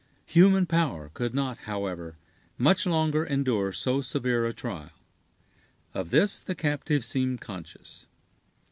Human power could not, however, much longer endure so severe a trial. Of this the captive seemed conscious.